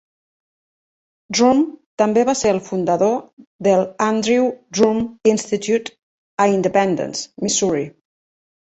Drumm també va ser el fundador del Andrew Drumm Institute a Independence, Missouri.